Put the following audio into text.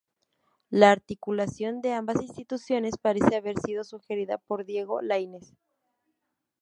La articulación de ambas instituciones parece haber sido sugerida por Diego Laínez.